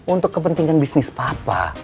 untuk kepentingan bisnis papa